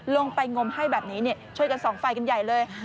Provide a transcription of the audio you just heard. ลงไปงมให้แบบนี้ช่วยกันส่องไฟกันใหญ่เลย